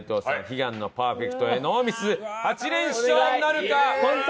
悲願のパーフェクトへノーミス８連勝なるか！？